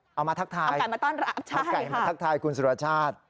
เอาไก่มาทักทายเอาไก่มาทักทายคุณสุรชาติ